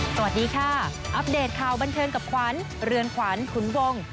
สวัสดีค่ะอัปเดตข่าวบันเทิงกับขวัญเรือนขวัญขุนวง